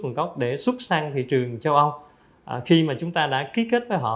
một góc để xuất sang thị trường châu âu khi chúng ta đã ký kết với họ